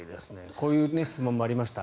こういう質問もありました。